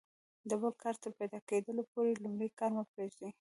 د بل کار تر پیدا کیدلو پوري لومړی کار مه پرېږئ!